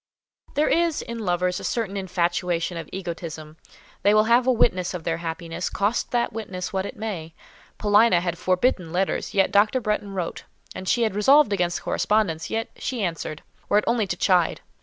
There is, in lovers, a certain infatuation of egotism; they will have a witness of their happiness, cost that witness what it may. Paulina had forbidden letters, yet Dr. Bretton wrote; she had resolved against correspondence, yet she answered, were it only to chide.